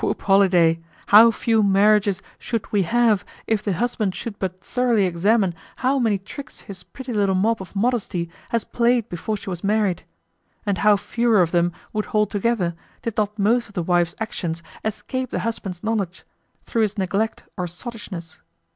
Whoop holiday! how few marriages should we have, if the husband should but thoroughly examine how many tricks his pretty little mop of modesty has played before she was married! And how fewer of them would hold together, did not most of the wife's actions escape the husband's knowledge through his neglect or sottishness!